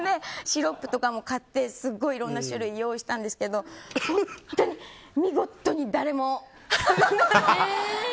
シロップとかも買っていろんな種類用意したんですけど本当に見事に誰も！